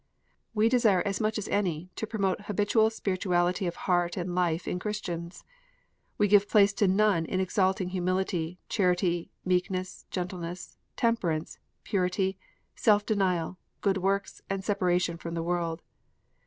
We desire as much as any to promote habitual spirituality of heart and life in Christians. We give place to none in exalting humility, charity, meekness, gentle ness, temperance, purity, self denial, good works, and separation from the world.